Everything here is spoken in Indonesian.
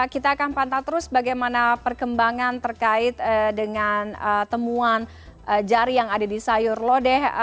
kita akan pantau terus bagaimana perkembangan terkait dengan temuan jari yang ada di sayur lodeh